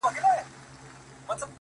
ته يې بد ايسې ـ